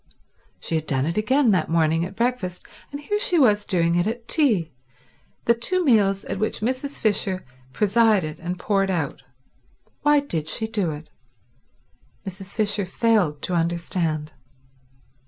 _" She had done it again that morning at breakfast and here she was doing it at tea—the two meals at which Mrs. Fisher presided and poured out. Why did she do it? Mrs. Fisher failed to understand.